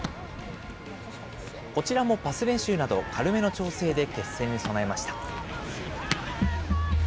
こちらもパス練習など、軽めの調整で決戦に備えました。